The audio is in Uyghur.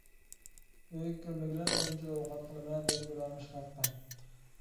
ئۆيگە كىرمىگىلى ئۈرۈمچىدە ئوقەت قىلىمەن دەپ يۈرەرمىش خەققە.